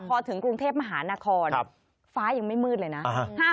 พอถึงกรุงเทพมหานครฟ้ายังไม่มืดเลยนะ